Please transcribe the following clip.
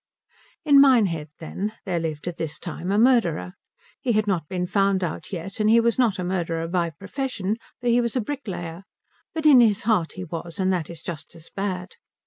In Minehead, then, there lived at this time a murderer. He had not been found out yet and he was not a murderer by profession, for he was a bricklayer; but in his heart he was, and that is just as bad.